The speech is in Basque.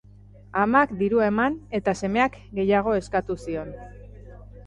Amak dirua eman, eta semeak gehiago eskatu zion.